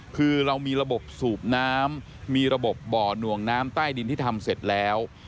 คือเรามีระบบสูบน้ำมีระบบบ่อหน่วงน้ำใต้ดินที่ทำเสร็จแล้ว